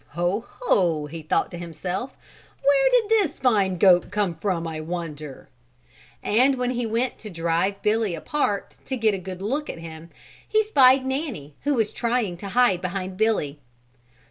"Ho, Ho!" he thought to himself, "where did this fine goat come from, I wonder," and when he went to drive Billy apart to get a good look at him he spied Nanny who was trying to hide behind Billy.